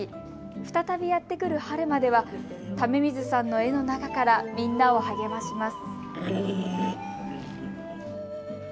再びやって来る春までは為水さんの絵の中からみんなを励まします。